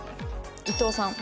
伊藤さん。